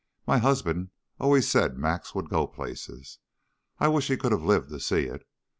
"My husband always said Max would go places. I wish he could have lived to see it."